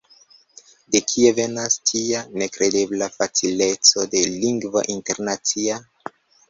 De kie venas tia nekredebla facileco de lingvo internacia?